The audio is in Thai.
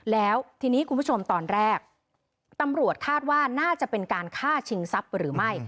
แล้วทีนี้คุณผู้ชมตอนแรกตำรวจคาดว่าน่าจะเป็นการฆ่าชิงทรัพย์หรือไม่